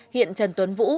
hiện trần tuấn vũ